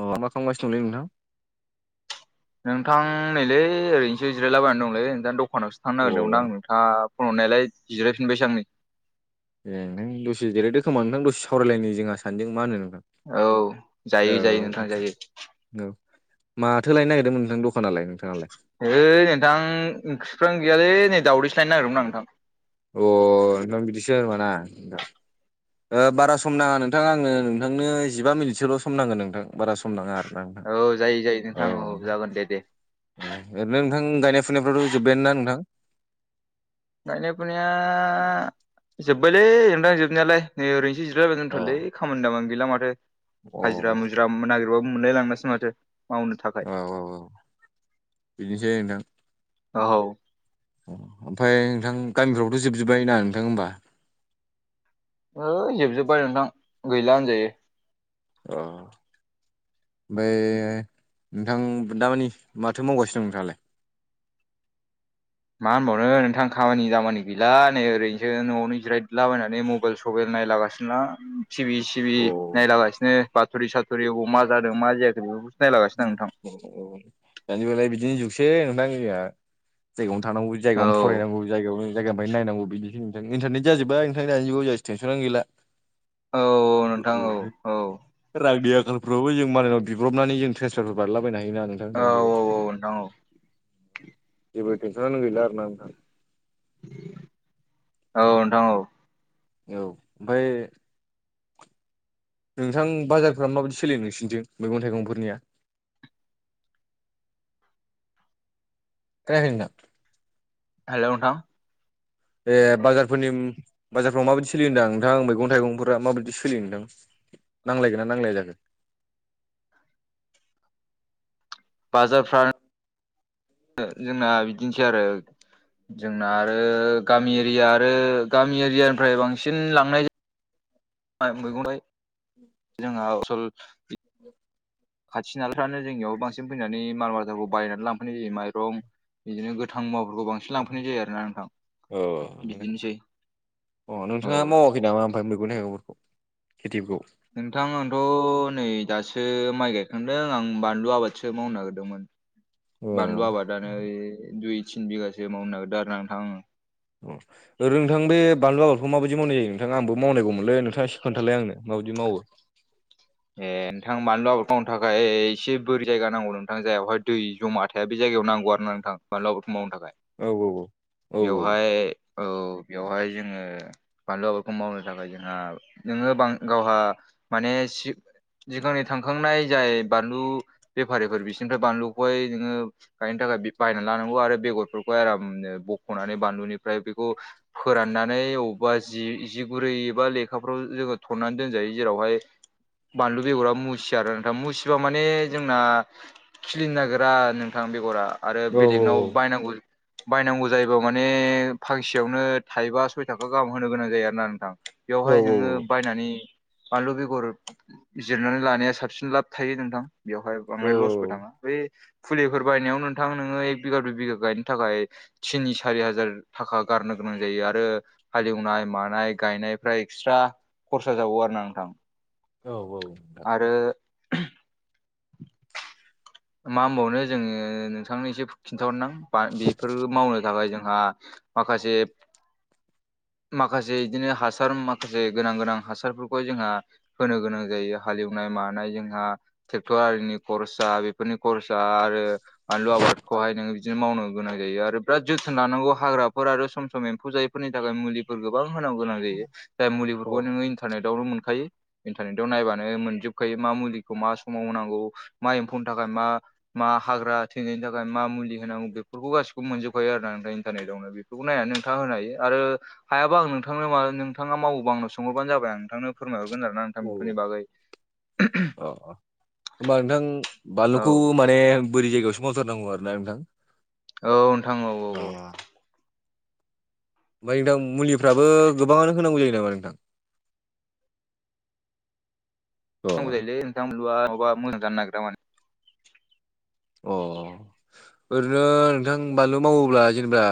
अ मा खालामगासिनोंदंलै नोंथां? नोंथां नैलै ओरैनोसो जिरायलाबायनानै दंलै नोंथां दखानावोसो थांनो अ नागिरदोंमोन आं नोंथां। ओ फन हरनायालाय जिरायफिनबायसो आंनै। ए नों दसेजेरायदो खोमा नोंथां दसे सावरायलायनो जोंहा सानदों मा होनो औ औ जायो जायो नोंथां जायो। औ, माथो लायनो नागिरदोंमोन नोंथांनि दखानलाय नोंथाङालाय? है नोंथां ओंख्रिफ्रानो गैयालै नै दावदैसो लायनो नागिरदोंमोन आं नोंथां। अ नोंथां बिदिसो होमबा ना। [inaudible] ओ बारा सम नाङा नोंथां आंनो नोंथांनो जिबा मिनिटसोल' सम नांगोन नोंथां बारा सम नाङा आरो। औ जायो जायो नोंथां औ जागोन दे दे। ए ओरैनो नोंथां गायनाय फुनायफ्रावथ' जोब्बायानो ना नोंथां? गायनाय फुनाया जोब्बायलै नोंथां जोबनायालाय नै ओरैनोसै जिरायबाय द अ दथ'लै। खामानि दामानि गैला माथो अ औ हाजिरा मुजिरा नागिरबाबो मोनलायलांलासै माथो। मावनो थाखाय औ औ बिदिनोसै नोंथां औ। ओमफ्राय नोंथां गामिफ्रावथ' जोबजोब्बाय ना नोंथां होमबा? ओइ जोबजोब्बाय नोंथां गैला होनजायो। अ। ओमफ्राय नोंथां दामानि माथो मावगासिनो दं नोंथांङालाय? मा होनबावनो नोंथां खामानि दामानि गैला नै ओरैनोसो न'आवनो जिरायलाबायनानै म बाइल सबाइल नायलागासिनो आं। टिभि सिभि औ नायलागासिनो बाथरि सााथ'रि अबाव मा जादों मा जायाखै बेखौफोरखौसो नायलागासिनों नोंथां। औ औ दानिबालाय बिदिनो जुगसै नोंथां जोंहा। जायगायावनो थानांगौ जायगायावनो आं फरायनांगौ जायायावनो जायगानिफ्राय नायनांगौ बिनि नोंथ इनटारनेट जाजोब्बाय नोंथां दानि जाय टेनसनानो गैला। नोंथां औ औलै औ नोंथां औ रांगनि आखालफ्रावबो जों मालनाव बिब्रबनानै जों ट्रन्सारफारफोर बानायला बायनो नों थां औ दानि औ जुगआव औ नोंथां औ जबो टेनसनानो गैला आरोना नोंथां औ नोंथां औ। औ ओमफ्राय नोंथां बाजारफ्रा माबायदि सोलिनो नोंसोरनिथिं मैगं थाइगंफोरनिया? जायाखै नोंथां? हेलौ नोंथां। ए बाजारफोरनि बाजारफ्राव माबायदि सोलियो होनदां नोंथां मैगं थाइगंफोरा माबायदि सोलियो नोंथां? नांलायगोना नांलाया जाखो? बाजारफ्रा ओ जोंना बिदिनोसै आरो जोंना आरो गामि एरिया आरो गामि एरियानिफ्राय बांसिन लांनाय जायो बाय मैगंथाइ जोंहा असल ब [unintelligible] खाथि नलाफ्रानो जोंनियाव बांसिन फैनानै मान आाथाखौ बायनानै लांफैनाय जायो। माइरं बिदिनो गोथां मुवाफोरखौ बांसिन लांफैनाय जायो आरोोना नोंथां औ नोंथां बिदिनोसै। अ औ नोंथाङा मावाखै नामा ओमफ्राय मैगं थायगंफोरखौ खेथिफोरखौ? नोंथां आंथ' नै दासो माइ गायखांदों आं बानलु आबादसो मावनो नागिरदोंमोन। अ बानलु आबादानो दुइ तिन बिगासो मावनो नागिरदों आरो ना नोंथां आङो। उम ओरै नोंथां बे बानलु आबादखौ माबायदि मावनाय जायो नोंथां आंबो मावनायांगौमोनलै नोंथाङा एसे खोनथालाय आंनो। मादि मावो? ए नोंथां बानलु आबर थावनि थाखाय एसे बोरि जायगा नांगौ नोंथां जायावहाय दै जमा थ दा बे जायगायाव नांगौ आरोना नोंथां बानलु आबादखौ मावनो थाखाय। औ औ बेवहाय औ बेवहाय जोङो बानलु आबादखौ मावनो थाखाय जोंहा नोङो बां गावहा माने सि सिगांनि थांखांनाय जाय बानलु बेफारिफोर बिसोरनिफ्राय बानलुखौहाय नोङो गायनो थाखाय बे बायनानै लानांगौ आरो बेगरफोरखौ आरामनो बख'नानै बानलुनि ओमफ्राय बेखौ फोराननानै अ बा जि जि गुरै एबा लेखाफ्राव जोङो थननानै दोनजायो जेरावहाय बानलु बेगरा मुसिया आरो नोंथा मुसिबा माने जोंना खिलिनो नागिरा नोंथां बेगरा आरो औ बेलेगनाव बायनांगौ बायनांगौ जायोबा माने फांसेयावनो थाइबा सय थाखा गाहाम होनो गोनां जायो आरोना नोंथां। औ बेवहाय नोङो बायनानै बानलु बेगर बिजिरनानै लानाया साबसिन लाब थायो नोंथां बेवहाय बांद्राय लसबो थाङा बे फुलिफोर बायनायाव नोंथां नोङो एक बिगा दुइ बिगा गायनो थाखाय थिनि सारि हाजार थाखा गारनो गोनां जायो आरो हालेवनाय मानाय गायनायफ्रा एक्सट्रा खरसा जाबावो आरो ना नोंथां। औ औ। नोंथां आरो मा होनबावनो जोङो नोंथांनो एसे खिन्थाहरनां बेफोर मावनो थाखाय जोंहा माखासे माखासे बिदिनो हासार माखासे गोनां गोनां हासारफोरखौ जोंहा होनो गोनां जायो हालेवनाय मानाय जोंहा ट्रेक्टर आरिनि खरसा बे फोरनि खरसा आरो बानलु आबादखौहाय नोङो बिदिनो मावनो गोनां जायो आरो बिराद जोथोन लानांगौ हाग्राफोर आरो सम सम एम्फौ जायैफोरनि थाखाय मुलि फोर गोबां होनांगो गोनां जायो जाय अ मुलिफोरखौ औ नोङो इन्टारनेटावनो मोनखायो। इन्टारनेटाव नायबानो मोनजोबखायो मा मुलिखौ मा समाव होनांगौ मा एम्फौनि थाखाय मा मा हाग्रा थैनायनि थाखाय मा मुलि होनांगौ बेफोरखौ गासिखौबो मोनजोबखायो आरो ना इन्टारनेटावनो बेफोरखौ नायनानै नोंथाङा होनो हायो आरो हायाबा आं नोंथांनो मा नोंथाङा मावोबा आंनो सोंहरबानो जाबाय आं नोंथांनो फोरमायहरगोन आरोना नोंथां बेफोरनि बागै औ। होमबा नोंथां औ बानलुखौ माने बोरि जायगायावसो मावथारनांगौ आरोना नोंथां। औ नोंथां औ औ औ। अ ओमफ्राय नोंथां मुलिफ्राबो गोबाङानो होनांगौ जायो नामा नोंथां? नांगौ अ जायोलै नोंथां बानलुआ नङाबा मोजां जानो नागिरा माने। अ ओरैनो नोंथां बानलु मावोब्ला जेनेबा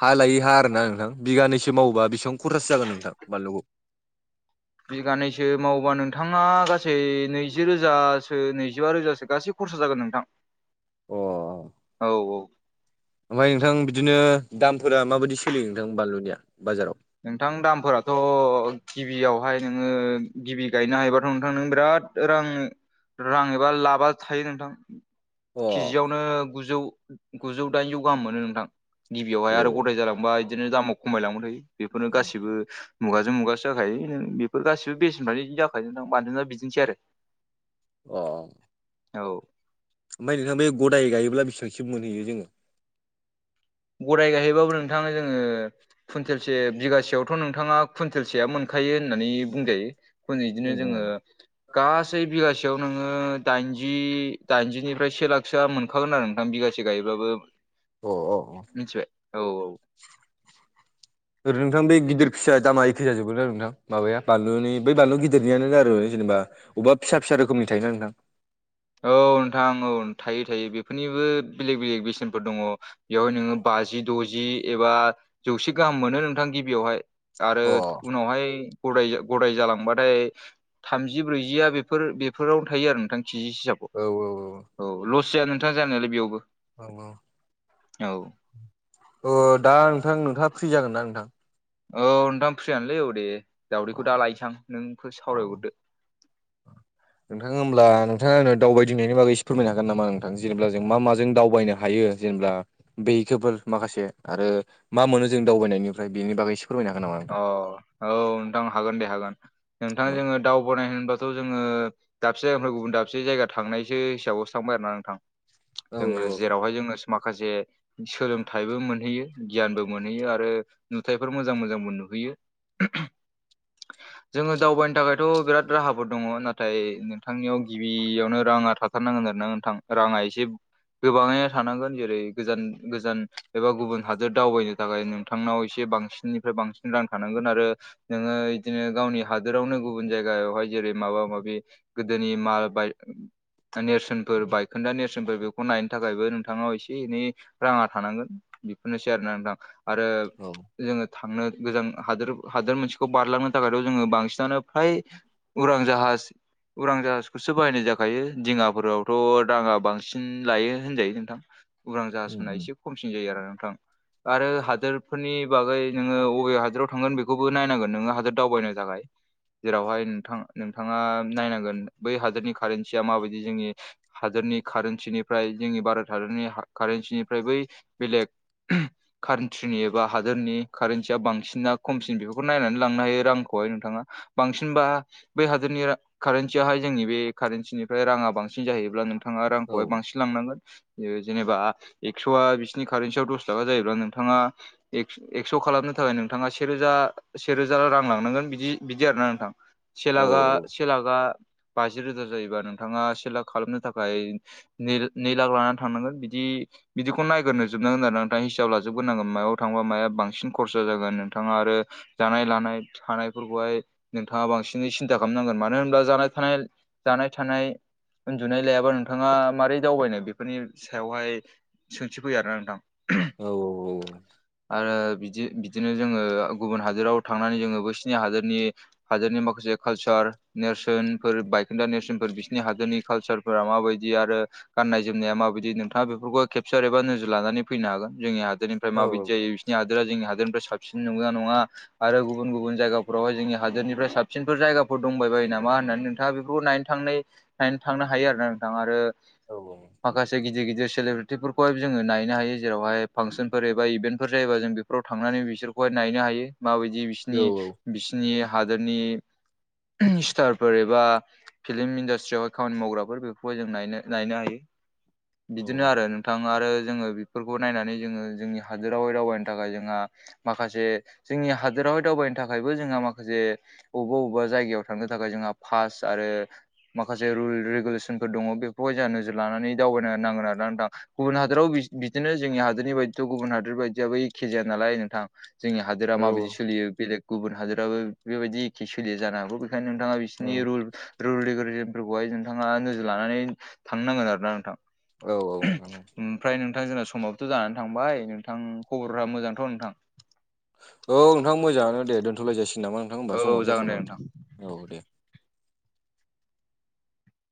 हा लायै हा आरोना नोंथां बिगानैसो मावोबा बेसिबां खरसासो जागोन नोंथां बानलुखौ? बिगानैसो मावोबा नोंथाङा गासै नैजि रोजासो नैजिबा रोजासो गासै खरसा जागोन नोंथां। औ औ। ओमफ्राय नोंथां बिदिनो दामफोरा माबायदि सोलियो नोंथां बानलुनिया बाजाराव? नोंथां दामफोराथ' गिबियावहाय नोङो गिबि गायनो हायोबाथ' नोंथां नों बिराद रां रां एबा लाबा थायो नोंथां। अ केजियावनो गुजौ गुजौ दाइनजौ गाहाम मोनो नोंथां। गिबियावहाय आरो औ गदाय जालांबाय बिदिनो दामाव खमायलांबाय थायो बेफोरनो गासिबो मुगाजों मुगासो जाखायो नों बेफोर गासिबो बेसेनफ्रानो बिदि जाखायो नों बानलुना बिदिनोसै आरो। अ। औ। ओमफ्राय नोंथां बे गदाय गायोब्ला बेसेबांसो मोनहैयो जोङो? गदाइ गायहैबाबो नोंथाङा जोङो कुवइन्टेलसे बिगासेयावथ' नों नोंथाङा कुइन्टेलसेया मोनखायो होननानै बुंजायो। अ बिदिनो जोङो गासै बिगासेयाव नोङो दाइनजि दाइनजिनिफ्राय से लाखसोआ मोनखागोन आरो नोंथां बिगासे गायोब्लाबो। अ अ। मिथिबाय औ औ। ओरैनो नोंथां बे गिदिर फिसा दामा एखे जाजोबो ना नोंथां माबाया बानलुनि बै बानलु गिदिरनियानो आरो जेनेबा अबा फिसा फिसा रोखोमनि थायोना नोंथां। औ नोंथां औ थायो थायो बेफोरनिबो बेलेग बेलेग बेसेनफोर दङ। बेवहाय नोङो बाजि द'जि एबा जौसे गाहाम मोनो नोंथां गिबियावहाय आरो अ उनावहाय गदाय गदाय जालांबाथाय थामजि ब्रैजिया बेफोर बेफोरावनो थायो आरो नोंथां के जि सेयाव औ औ लस जाया नोंथां जानाय नालाय बेयावबो। औ औ। औ। अ दा नोंथां नोंथाङा फ्रि जागोन ना नोंथां? औ नोंथां फ्रियानोलै औ दे अ दाउदैखौ दा लायनोसै आं नोंखौ सावरायहरदो‌। नोंथाङा होमब्ला नोंथाङा आंनो दावबायदिंनायनि बागै एसे फोरमायनो हागोन नामा नोंथां जेनेब्ला जों मा माजों दावबायनो हायो? जेनेब्ला बेखोफोर माखासे आरो मा मोनो जों दावबायनायनिफ्राय बेनि बागै एसे फोरमायनो हागोन नामा? अ नोंथां? औ नोंथां हागोन दे हागोन नोंथां औ जोङो दावबानाय होनबाथ' जोङो दाबसे जायानिफ्राय गुबुन दाबसे जायगा थांनायसो हिसाबावसो थांबाय आरोना नोंथां। औ जोङो औ जेरावहाय जोंङो माखासे सोलोंथाइबो मोनहैयो गियानबो मोनहैयो आरो नुथायफोर मोजां मोजांबो नु नुहैयो जोङो दावबायनो थाखायथ' बिराद राहाफोर दङ नाथाय नोंथांनियाव गिबियावनो राङा थाथारनांगोन आरो ना नोंथां राङा एसे गोबाङैनो थानांगोन जेरै गोजान गोजान एबा गुबुन हादोर दावबायनो थाखाय नोंथांनाव एसे बांसिननिफ्राय बांसि रां थानांगोन आरो नोङो बिदिनो गावनि हादोरावनो गुबुन जायगायावहाय जेरै माबा माबि गोदोनि माल बाय नेरसोनफोर बायखोन्दा नेरसोनफोर बेखौ नायनो थाखायबो नोंथाङाव एसे एनै राङा थानांगोन बेफोरनोसै आरो नोंथां आरो औ जोङो थांनो गोजां हादोर हादोर मोनसेखौ बारलांनो थाखायथ' जोङो बांसिनानो फ्राय उरां जाहाज उरां जाहाजखौसो बाहायनाय जाखायो दिङाफोरावथ' राङा बांसिन लायो होनजायो नोंथां। उदरां जाहाज उम फोरना उम एसे खमसिन जायो आरो नोंथां आरो हादोरफोरनि बागै नोङो बबे हादोराव थांगोन बेखौबो नायनांगोन नोङो हादोर दावबायनो थाखाय जेरावहाय नोंथां नोंथाङा नायनांगोन बै हादोरनि कारेनसिया माबायदि जोंनि हादोरनि कारेन्सिनिफ्राय जोंनि भारत हादरनि कारेन्सिनिफ्राय बै बेलेग कान्ट्रिनि एबा हादोरनि कारेन थिया बांसिनना खमसिन बेफोरखौ नायनानै लांनो हायो रांखौहाय नोंथाङा बांसिनबा बै हादोरनि कारन्सियाहाय जोंनि बे कारन्सिनिफ्राय राङा बांसिन जाहैब्ला नोंथाङा औ रांखौहाय बांसि लांनांगोन जेनेबा एक्स'आ बिसिनि कारेनसियाव दस थाखा जायोब्ला नोंथाङा एक एक्स' खालामनो थाखाय नोंथांङा से रोजा से रोजा रां लांनांगोन बिदि बिदि आरोना नोंथां। से औ लाख आ से लाखआ बाजि रोजा जायोबा नोंथाङा से लाख खालामनो थाखाय नै नै लाख लानानै थांनांगोन बिदि बिदिखौ नायग्रो जोबनांगोन आरो नोंथां हिसाब लाजोबग्रोनांगोन मायाव थांबा माया बांसिन खरसा जागोन नोंथाङा आरो जानाय लानाय थानायफोरखौहाय नोंथाङा बांसिनै सिन्था खालामनांगोन मानो होनब्ला जानाय थानाय जानाय थानाय उन्दुनाय लायाबा नोंथाङा मारै दावबायनो बेफोरनि सायावहाय सोंथि फैया आरोना नोंथां। औ। आरो बिदि बिदिनो जोङो गुबुन हादोराव थांनानै जोङो बैसिनि हादोरनि हादोरनि माखासे कालचार नेरसोनफोर बायखोन्दा नेरसोनफोर बिसोरनि हादोरनि कालसार फोरा माबायदि आरो गाननाय जोमनाया माबायदि नोंथाङा बेफोरखौ खेबसार एबा नोजोर लानानै फैनो हागोन जोंनि हादोरनि ओमफ्राय औ माबायदि जायो बिसनि हादोरा जोंनि हादोरनिफ्राय साबसिन नंगौना नङा आरो गुबुन गुबुन जायगाफोरावहाय जोंनि हादोरनिफ्राय साबसिनफोर जायगाफोर दंबाय बायो नामा होननानै नोंथाङा बेफोरखौ नाय थांनाय नायनो थांनो हायो आरोना नोंथां आरो औ औ। माखासे गिदिर गिदिर सेब्रिटिफोरखौहाय जोङो नायनो हायो जेरावहाय फांसनफोर एबा इभेन्टफोर जायोबा जों बेफोराव थांनानै बिसोरखौहाय नायनो हायो माबायदि बिसोरनि औ बिसिनि हादोरनि [unintelligible] स्टारफोर एबा फिल्म इन्डास्ट्रियावहाय खामानि मावग्राफोर बेफोरखौहाय जों नायनो नायनो हायो। बिदिनो आरो नोंथां आरो जोङो बेफोरखौ नायनानै जोङो जोंनि हादोरावाय दावबायनो थाखाय जों हा माखासे जोंनि हादोरावहाय दावबायनो थाखायबो जोंहा माखासे अबेबा अबेबा जायगायाव थांनो थाखाय जोंहा फास आरो माखासे रुल रेगुलेसनफोर दङ बे खौहाय जोंहा नोजोर लानानै दावबायनो नांगोन ना नोंथां गुबुन हादराव बिदिनो जोंनि हादोरनि बायदिथ' गुबुन हादोरनि बायदियाबो एखे जाया नालाय नोंथां जोंनि हादोरा माबायदि सोलियो बेलेग गुबुन हादोराबो बेबायदि एखे सोलिया जानो हागौ बेखायनो नोंथाङा बिसोरनि औ औ रुल रुल रिगुलेजनफोरखौहाय नोंथाङा नोजोर लानानै थांनो नांगोन आरो ना नोंथां। ओमफ्राय नोंथां जोंना समाबोथ' जानानै थांबाय नोंथां खबर फोरा मोजांथ' नोंथां? औ नोंथां मोजाङानो दे दोनथ'लायजा सिगोन नामा नोंथां होमबा औ समावो जागोन जाख'बाय दे नोंथां। माथो औ दे।